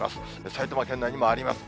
埼玉県内にもあります。